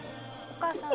お母さん。